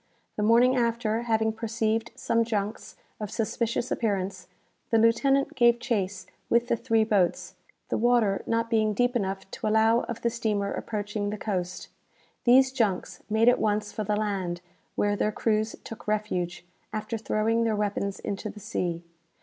The morning after, having perceived some junks of suspicious appearance, the lieutenant gave chase with the three boats, the water not being deep enough to allow of the steamer approaching the coast. These junks made at once for the land, where their crews took refuge, after throwing their weapons into the sea.